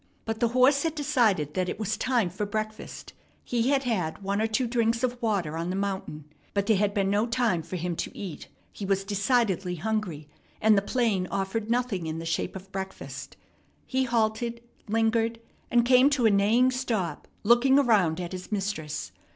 But the horse had decided that it was time for breakfast. He had had one or two drinks of water on the mountain, but there had been no time for him to eat. He was decidedly hungry, and the plain offered nothing in the shape of breakfast. He halted, lingered, and came to a neighing stop, looking around at his mistress.